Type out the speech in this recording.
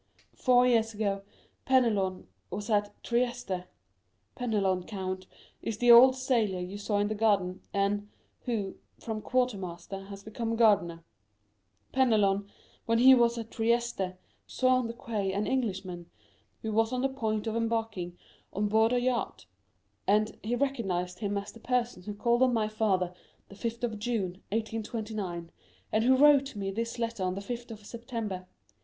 Four years ago, Penelon was at Trieste—Penelon, count, is the old sailor you saw in the garden, and who, from quartermaster, has become gardener—Penelon, when he was at Trieste, saw on the quay an Englishman, who was on the point of embarking on board a yacht, and he recognized him as the person who called on my father the fifth of June, 1829, and who wrote me this letter on the fifth of September.